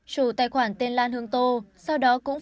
chủ tài khoản tên lan hương tô sau đó cũng phải định trí